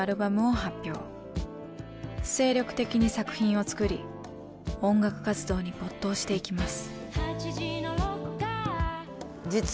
精力的に作品を作り音楽活動に没頭していきます。